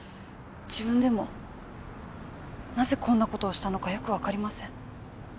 自分でもなぜこんなことをしたのかよく分かりません